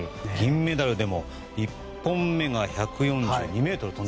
銀メダルでも１本目が１４２ｍ。